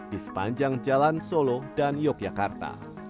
di sepanjang jalan solo dan yogyakarta